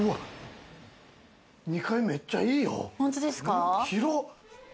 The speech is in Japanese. ２階めっちゃいいよ！